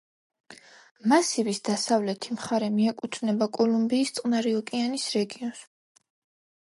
მასივის დასავლეთი მხარე მიეკუთვნება კოლუმბიის წყნარი ოკეანის რეგიონს.